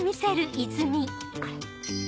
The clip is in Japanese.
これ。